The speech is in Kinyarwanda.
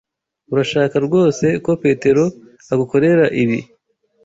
Urashaka rwose ko Petero agukorera ibi?